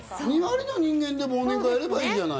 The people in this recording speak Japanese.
２割の人間で忘年会やればいいじゃない。